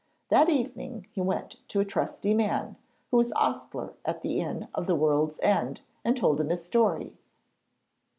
That evening he went to a trusty man, who was ostler at the inn of the World's End, and told him his story.